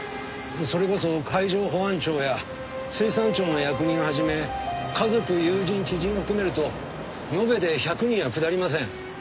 それこそ海上保安庁や水産庁の役人を始め家族友人知人を含めると延べで１００人は下りません。